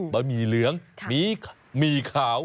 หมี่เหลืองหมี่ขาว